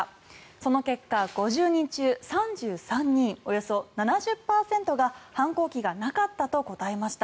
その結果、５０人中３３人およそ７０％が反抗期がなかったと答えました。